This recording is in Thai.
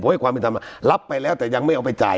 ให้ความเป็นธรรมรับไปแล้วแต่ยังไม่เอาไปจ่าย